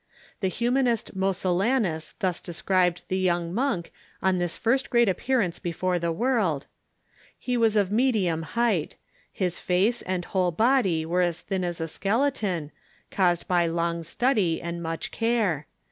The Humanist Moscellanus thus described the young monk on this first great appearance before the world: " He was of medium height. His face and whole body were as thin as a skeleton, caused by long study and much care.